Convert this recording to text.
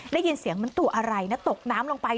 ได้ยินเสียงมันตัวอะไรนะตกน้ำลงไป